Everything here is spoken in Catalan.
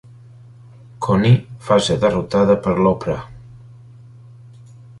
Connie va ser derrotada per l'Oprah.